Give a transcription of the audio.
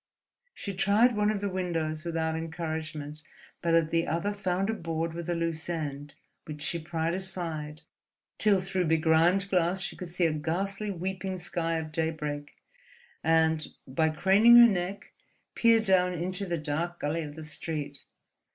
She tried one of the windows without encouragement, but at the other found a board with a loose end, which she pried aside, till through begrimed glass she could see a ghastly, weeping sky of daybreak and, by craning her neck, peer down into the dark gully of the street.